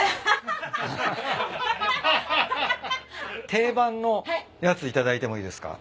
定番のやつ頂いてもいいですか？